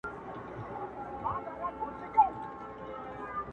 له ښاره ووزه، له نرخه ئې نه.